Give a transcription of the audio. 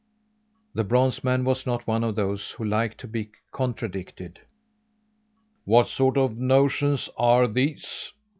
The bronze man was not one of those who liked to be contradicted. "What sort of notions are these?